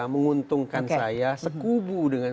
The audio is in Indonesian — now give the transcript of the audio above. menguntungkan saya sekubu dengan